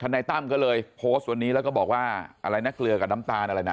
นายตั้มก็เลยโพสต์วันนี้แล้วก็บอกว่าอะไรนะเกลือกับน้ำตาลอะไรนะ